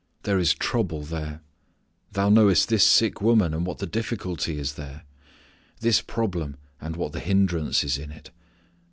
There is trouble there. Thou knowest this sick woman, and what the difficulty is there. This problem, and what the hindrance is in it.